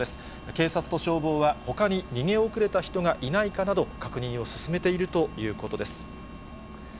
警察と消防は、ほかに逃げ遅れた人がいないかなど、確認を進めているということです。